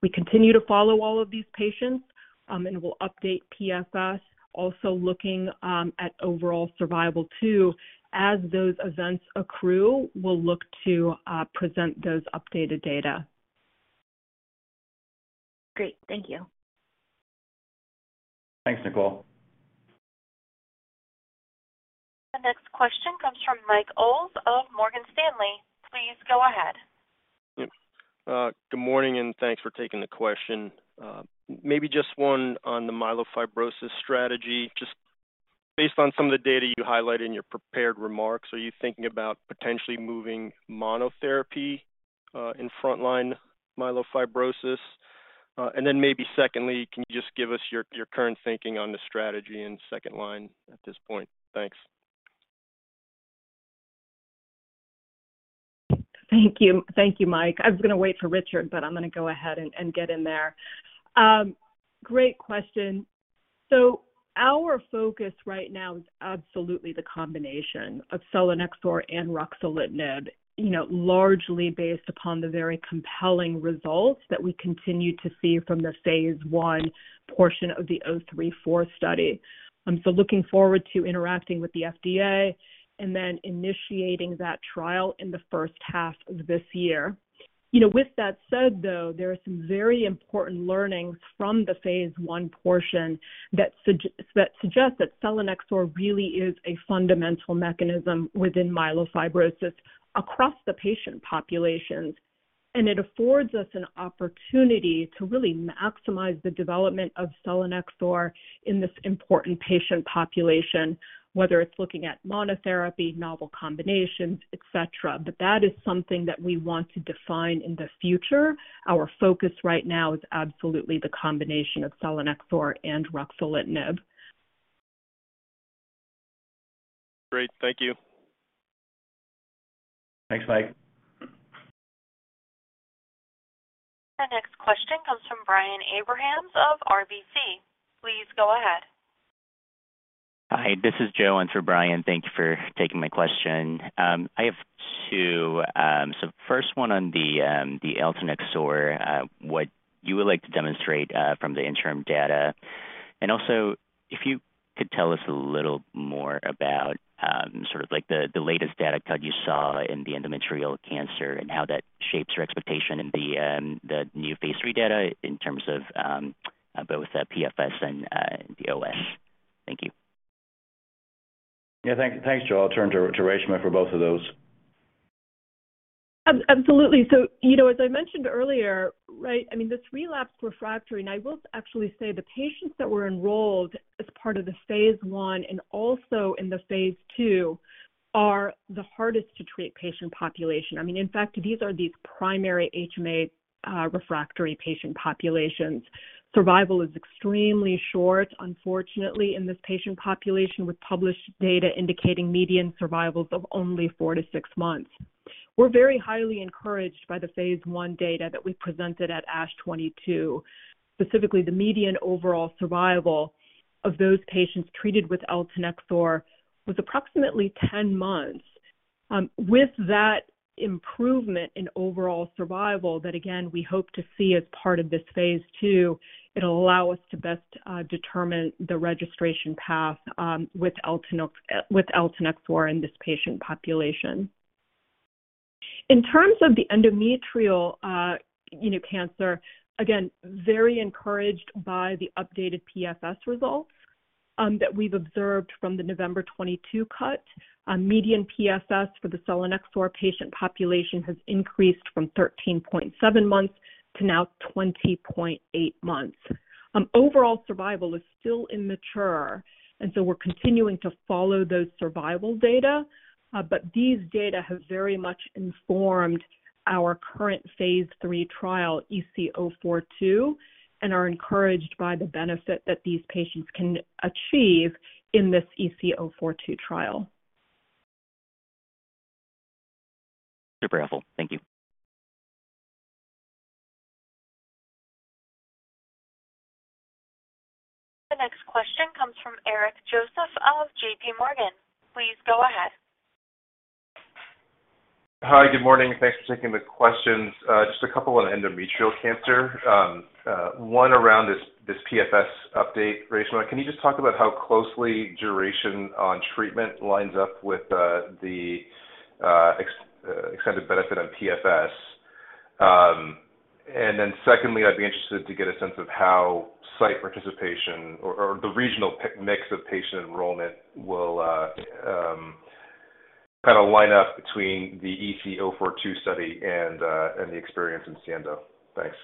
We continue to follow all of these patients, and we'll update PFS, also looking at overall survival too. As those events accrue, we'll look to present those updated data. Great. Thank you. Thanks, Nicole. The next question comes from Mike Ulz of Morgan Stanley. Please go ahead. Good morning, thanks for taking the question. Maybe just one on the myelofibrosis strategy. Just based on some of the data you highlight in your prepared remarks, are you thinking about potentially moving monotherapy in frontline myelofibrosis? Then maybe secondly, can you just give us your current thinking on the strategy in second line at this point? Thanks. Thank you. Thank you, Mike. I was going to wait for Richard, I'm going to go ahead and get in there. Great question. Our focus right now is absolutely the combination of selinexor and ruxolitinib, you know, largely based upon the very compelling results that we continue to see from the phase I portion of the 034 study. Looking forward to interacting with the FDA and then initiating that trial in the first half of this year. You know, with that said, though, there are some very important learnings from the phase I portion that suggest that selinexor really is a fundamental mechanism within myelofibrosis across the patient populations. It affords us an opportunity to really maximize the development of selinexor in this important patient population, whether it's looking at monotherapy, novel combinations, et cetera. That is something that we want to define in the future. Our focus right now is absolutely the combination of selinexor and ruxolitinib. Great. Thank you. Thanks, Mike. Our next question comes from Brian Abrahams of RBC. Please go ahead. Hi, this is Joe in for Brian. Thank you for taking my question. I have two. First one on the selinexor, what you would like to demonstrate from the interim data. If you could tell us a little more about sort of like the latest data cut you saw in the endometrial cancer and how that shapes your expectation in the new phase three data in terms of both the PFS and the OS. Thank you. Yeah, thanks, Joe. I'll turn to Reshma for both of those. Absolutely. You know, as I mentioned earlier, right, I mean, this relapsed refractory, and I will actually say the patients that were enrolled as part of the phase I and also in the phase II are the hardest to treat patient population. I mean, in fact, these are primary HMA refractory patient populations. Survival is extremely short, unfortunately, in this patient population, with published data indicating median survivals of only four to six months. We're very highly encouraged by the phase I data that we presented at ASH 22. Specifically, the median overall survival of those patients treated with eltanexor was approximately 10 months. With that improvement in overall survival that again we hope to see as part of this phase II, it'll allow us to best determine the registration path with eltanexor in this patient population. In terms of the endometrial, you know, cancer, again, very encouraged by the updated PFS results, that we've observed from the November 2022 cut. Median PFS for the selinexor patient population has increased from 13.7 months to now 20.8 months. Overall survival is still immature. We're continuing to follow those survival data, but these data have very much informed our current phase III trial, EC042, and are encouraged by the benefit that these patients can achieve in this EC042 trial. Super helpful. Thank you. The next question comes from Eric Joseph of JPMorgan. Please go ahead. Hi. Good morning. Thanks for taking the questions. Just a couple on endometrial cancer. One around this PFS update, Reshma. Can you just talk about how closely duration on treatment lines up with the extended benefit on PFS? And then secondly, I'd be interested to get a sense of how site participation or the regional mix of patient enrollment will kind of line up between the EC042 study and the experience in SIENDO. Thanks.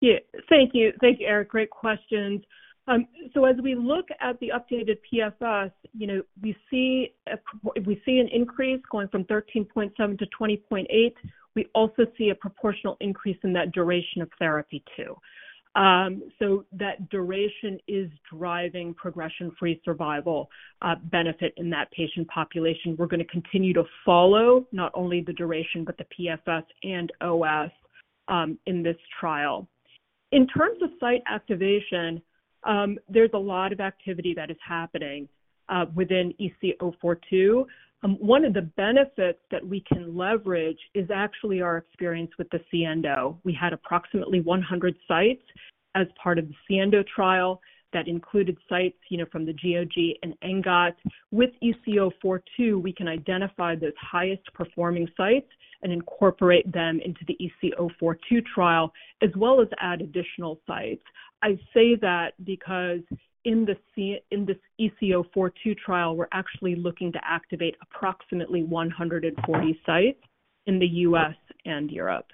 Yeah. Thank you. Thank you, Eric. Great questions. As we look at the updated PFS, you know, we see an increase going from 13.7 to 20.8. We also see a proportional increase in that duration of therapy too. That duration is driving progression-free survival benefit in that patient population. We're gonna continue to follow not only the duration, but the PFS and OS. In this trial. In terms of site activation, there's a lot of activity that is happening within EC042. One of the benefits that we can leverage is actually our experience with the SIENDO. We had approximately 100 sites as part of the SIENDO trial that included sites, you know, from the GOG and ENGOT. With EC042, we can identify those highest performing sites and incorporate them into the EC042 trial, as well as add additional sites. I say that because in this EC042 trial, we're actually looking to activate approximately 140 sites in the U.S. and Europe.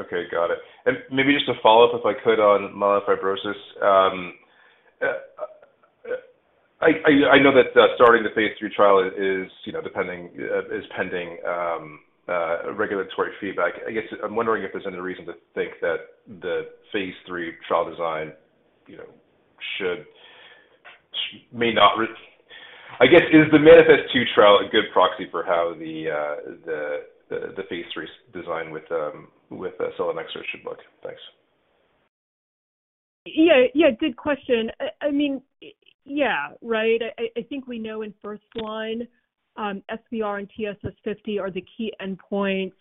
Okay, got it. Maybe just a follow-up, if I could, on myelofibrosis. I know that starting the phase III trial is, you know, depending, is pending, regulatory feedback. I guess I'm wondering if there's any reason to think that the phase III trial design, you know, may not I guess, is the MANIFEST-2 trial a good proxy for how the phase III design with, selinexor should look? Thanks. Yeah. Good question. I mean, yeah, right? I think we know in first line, SVR and TSS50 are the key endpoints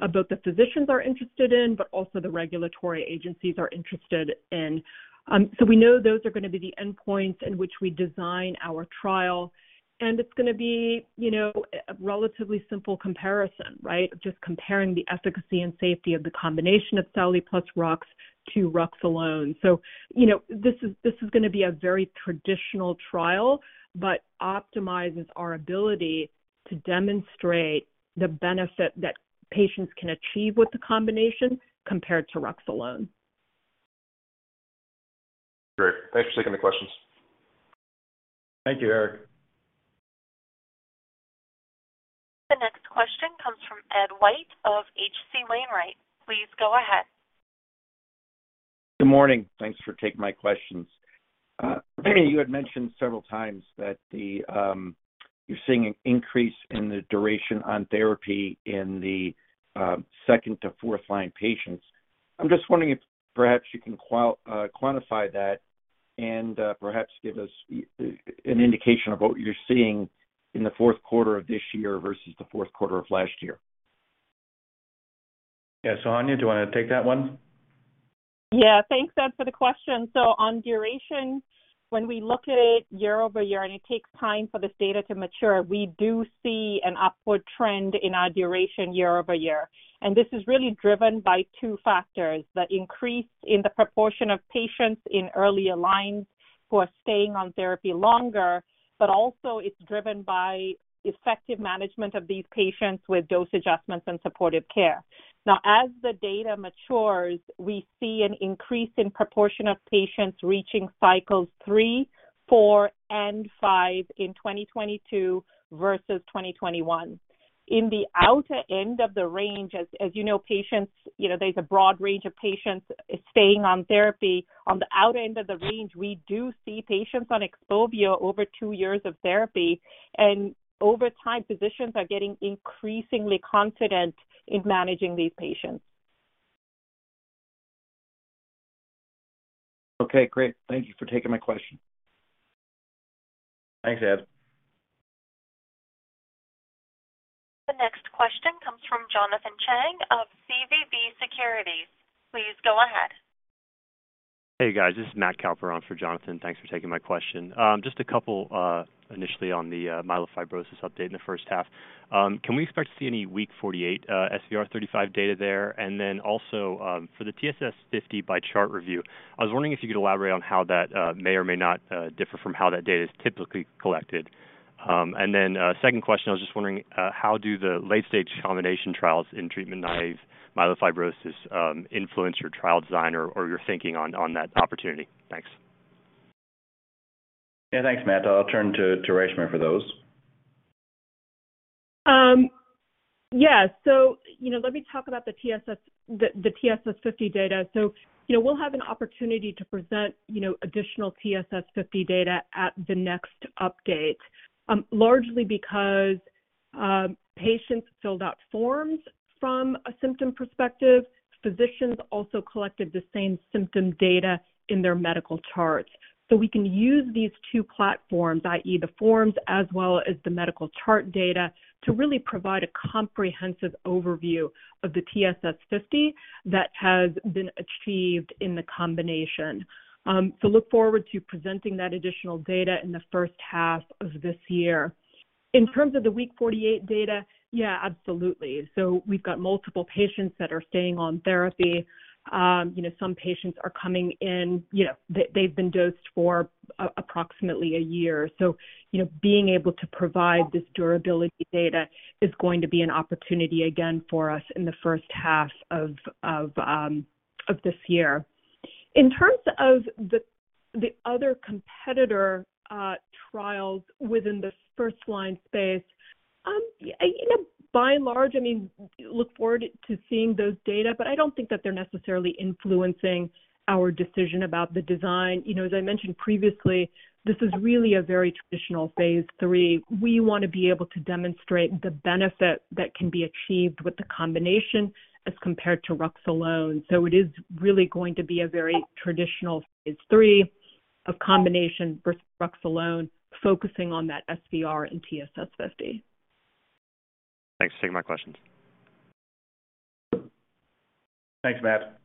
of both the physicians are interested in, but also the regulatory agencies are interested in. We know those are gonna be the endpoints in which we design our trial, and it's gonna be, you know, a relatively simple comparison, right? Of just comparing the efficacy and safety of the combination of sali plus Rux to Rux alone. You know, this is gonna be a very traditional trial, but optimizes our ability to demonstrate the benefit that patients can achieve with the combination compared to Rux alone. Great. Thanks for taking the questions. Thank you, Eric. The next question comes from Ed White of H.C. Wainwright. Please go ahead. Good morning. Thanks for taking my questions. Reshma, you had mentioned several times that you're seeing an increase in the duration on therapy in the second to fourth line patients. I'm just wondering if perhaps you can quantify that and perhaps give us an indication of what you're seeing in the fourth quarter of this year versus the fourth quarter of last year. Sohanya, do you wanna take that one? Thanks, Ed, for the question. On duration, when we look at it year-over-year, and it takes time for this data to mature, we do see an upward trend in our duration year-over-year. This is really driven by two factors, the increase in the proportion of patients in earlier lines who are staying on therapy longer, but also it's driven by effective management of these patients with dose adjustments and supportive care. Now, as the data matures, we see an increase in proportion of patients reaching cycles three, four, and five in 2022 versus 2021. In the outer end of the range, as you know, patients, you know, there's a broad range of patients staying on therapy. On the outer end of the range, we do see patients on XPOVIO over two years of therapy. Over time, physicians are getting increasingly confident in managing these patients. Okay, great. Thank you for taking my question. Thanks, Ed. The next question comes from Jonathan Chang of SVB Securities. Please go ahead. Hey, guys. This is Matt Calper on for Jonathan. Thanks for taking my question. Just a couple, initially on the myelofibrosis update in the first half. Can we expect to see any week 48 SVR35 data there? Also, for the TSS50 by chart review, I was wondering if you could elaborate on how that may or may not differ from how that data is typically collected. Second question, I was just wondering how do the late-stage combination trials in treatment-naive myelofibrosis influence your trial design or your thinking on that opportunity? Thanks. Yeah, thanks, Matt. I'll turn to Reshma for those. Yeah. You know, let me talk about the TSS, the TSS50 data. You know, we'll have an opportunity to present, you know, additional TSS50 data at the next update, largely because patients filled out forms from a symptom perspective. Physicians also collected the same symptom data in their medical charts. We can use these two platforms, i.e., the forms as well as the medical chart data, to really provide a comprehensive overview of the TSS50 that has been achieved in the combination. Look forward to presenting that additional data in the first half of this year. In terms of the week 48 data, yeah, absolutely. We've got multiple patients that are staying on therapy. You know, some patients are coming in, you know, they've been dosed for approximately one year. You know, being able to provide this durability data is going to be an opportunity again for us in the first half of this year. In terms of the other competitor trials within the first line space, you know, by and large, I mean, look forward to seeing those data, but I don't think that they're necessarily influencing our decision about the design. You know, as I mentioned previously, this is really a very traditional phase III. We wanna be able to demonstrate the benefit that can be achieved with the combination as compared to Rux alone. It is really going to be a very traditional phase III of combination versus Rux alone, focusing on that SVR and TSS50. Thanks for taking my questions. Thanks, Matt.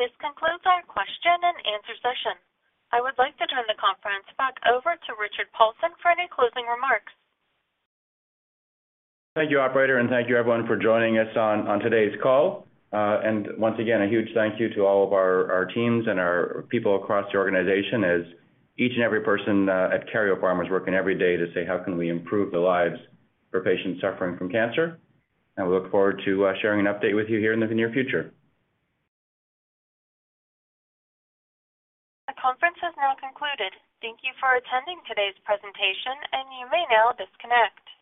This concludes our question and answer session. I would like to turn the conference back over to Richard Paulson for any closing remarks. Thank you, operator, and thank you everyone for joining us on today's call. Once again, a huge thank you to all of our teams and our people across the organization as each and every person at Karyopharm is working every day to say, how can we improve the lives for patients suffering from cancer? We look forward to sharing an update with you here in the near future. The conference has now concluded. Thank you for attending today's presentation, and you may now disconnect.